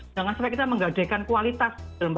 jangan sampai kita menggadekan kualitas